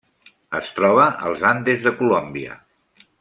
Es troba als Andes de Colòmbia.